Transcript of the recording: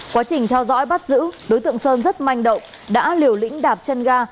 quá trình theo dõi bắt giữ đối tượng sơn rất manh động đã liều lĩnh đạp chân ga